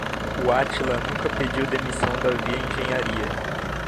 O Átila nunca pediu demissão da Via Engenharia.